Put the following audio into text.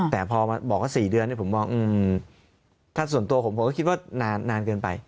แต่พอมาบอกว่า๔เดือนผมมองถ้าส่วนตัวผมผมก็คิดว่านานเกินไป